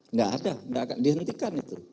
nggak ada dihentikan itu